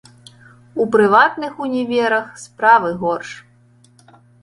У прыватных універах справы горш.